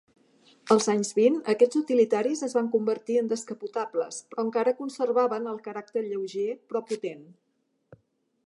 Als anys vint, aquests utilitaris es van convertir en descapotables, però encara conservaven el caràcter lleuger però potent.